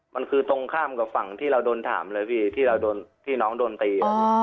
มันคือตรงข้ามกับฝั่งที่เราโดนถามเลยพี่ที่เราโดนพี่น้องโดนตี